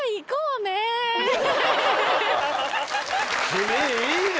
君いいね！